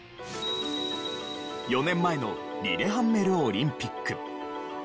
４年前のリレハンメルオリンピック。